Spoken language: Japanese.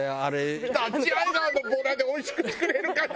立会川のボラでおいしく作れるかな？